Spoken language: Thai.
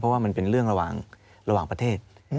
เพราะว่ามันเป็นเรื่องระหว่างประเทศ